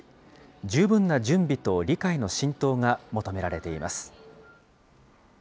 十分な準備と理解の浸透が求められています。